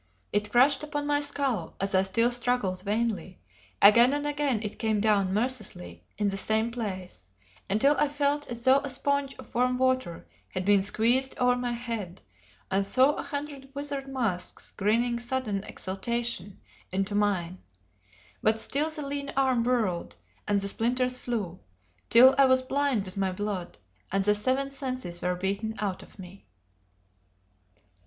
It crashed upon my skull as I still struggled vainly; again and again it came down mercilessly in the same place; until I felt as though a sponge of warm water had been squeezed over my head, and saw a hundred withered masks grinning sudden exultation into mine; but still the lean arm whirled, and the splinters flew, till I was blind with my blood and the seven senses were beaten out of me.